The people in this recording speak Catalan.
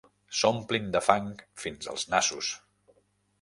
S’omplin de fang fins els nassos.